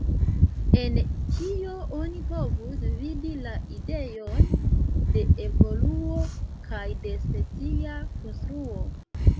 En tio oni povus vidi la ideon de evoluo kaj de specia konstruo.